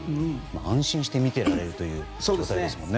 安心して見ていられるという状態ですもんね。